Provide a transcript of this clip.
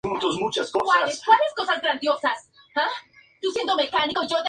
De la construcción más antigua se conserva todavía una columna gótica.